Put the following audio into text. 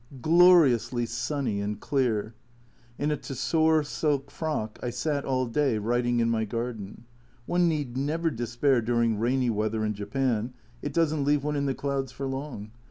Gloriously sunny and clear. In a tussore silk frock I sat all day writing in my garden. One need never despair during rainy weather in Japan, it doesn't leave one in the clouds for long.